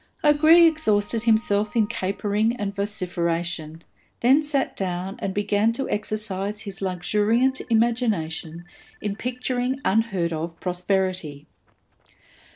O'Gree exhausted himself in capering and vociferation, then sat down and began to exercise his luxuriant imagination in picturing unheard of prosperity.